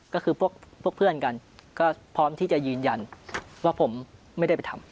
ก็คือพวกเพื่อนกันก็พร้อมที่จะยืนยันว่าผมไม่ได้ไปทำ